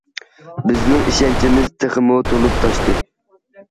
بىزنىڭ ئىشەنچىمىز تېخىمۇ تولۇپ تاشتى.